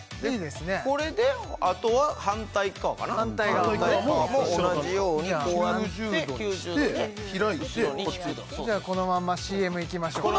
これであとは反対側かな反対側も同じようにこうやって９０度で後ろに引くとじゃあこのままＣＭいきましょうかね